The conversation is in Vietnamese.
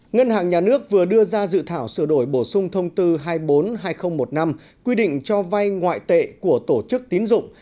ngân hàng nhà nước vừa đưa ra dự thảo sửa đổi bổ sung thông tư hai mươi bốn hai nghìn một mươi năm quy định cho vay ngoại tệ của tổ chức tín dụng